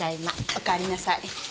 おかえりなさい。